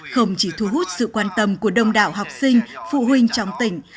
không chỉ thu hút sự quan tâm của đông đảo học sinh phụ huynh trong tỉnh